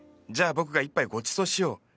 じゃあ僕が一杯ごちそうしよう。